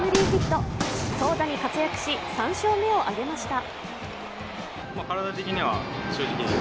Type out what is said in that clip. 投打に活躍し、３勝目を挙げました。